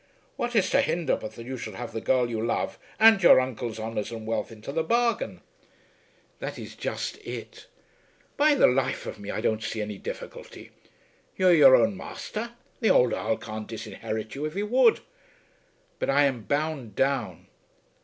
"What is to hinder but that you should have the girl you love and your uncle's honours and wealth into the bargain?" "That is just it." "By the life of me I don't see any difficulty. You're your own masther. The ould Earl can't disinherit you if he would." "But I am bound down."